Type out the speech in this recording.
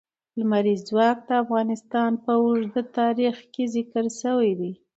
لمریز ځواک د افغانستان په اوږده تاریخ کې ذکر شوی دی.